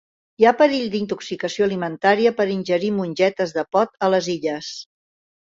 Hi ha perill d'intoxicació alimentària per ingerir mongetes de pot a les Illes